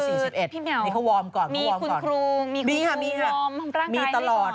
อันนี้คือพี่แหมวมีคุณครูมีคุณครูรอมของกลางกายด้วยก่อน